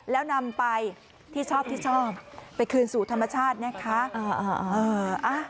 แล้วนำไปที่ชอบที่ชอบไปคืนสู่ธรรมชาตินะคะ